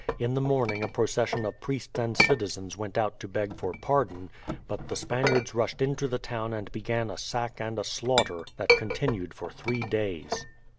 In the morning a procession of priests and citizens went out to beg for pardon, but the Spaniards rushed into the town and began a sack and a slaughter that continued for three days.